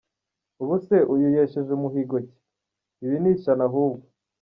Ubuse uyu yesheje muhigo ki?? ibi ni ishyano ahubwo.